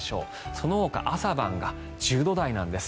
そのほか朝晩が１０度台なんです。